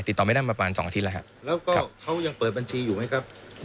ติดต่อไม่ได้มาประมาณ๒อาทิตย์แล้วครับแล้วก็เขายังเปิดบัญชีอยู่ไหมครับ